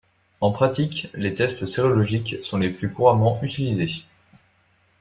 En pratique, les tests sérologiques sont les plus couramment utilisés.